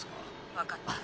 分かった。